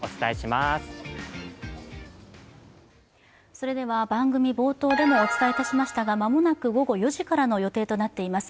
それでは番組冒頭でもお伝えいたしましたが間もなく午後４時からの予定となっています